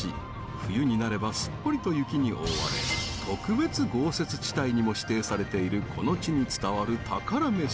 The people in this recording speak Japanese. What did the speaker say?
冬になればすっぽりと雪に覆われ特別豪雪地帯にも指定されているこの地に伝わる宝メシ。